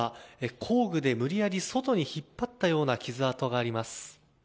工具で無理やり外に引っ張ったような傷跡があります。